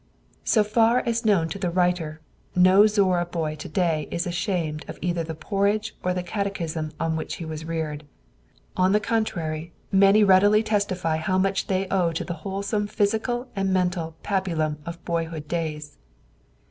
So far as known to the writer, no Zorra boy to day is ashamed of either the porridge or the Catechism on which he was reared. On the contrary, many readily testify how much they owe to the wholesome physical and mental pabulum of boyhood days.